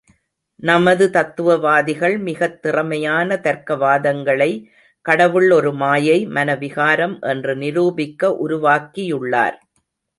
நமது தத்துவவாதிகள் மிகத் திறமையான தர்க்கவாதங்களை, கடவுள் ஒரு மாயை, மன விகாரம் என்று நிரூபிக்க உருவாக்கியுள்ளார்.